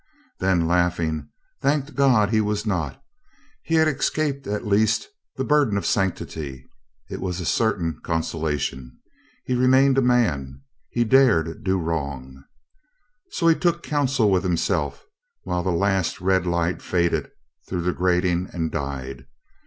Then laughing, thanked God he was not. He had escaped at least the burden of sanctity. It was a 362 COLONEL GREATHEART certain consolation. He remained a man. He dared do wrong. So he took counsel with himself while the last red light faded through the grating and died.